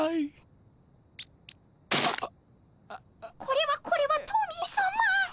これはこれはトミーさま。